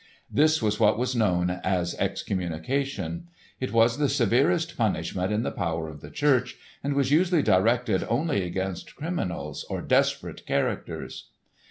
This was what was known as excommunication. It was the severest punishment in the power of the church, and was usually directed only against criminals or desperate characters.